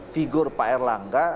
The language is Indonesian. figur pak erlangga